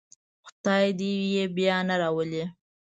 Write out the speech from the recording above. خدای دې یې بیا نه راولي.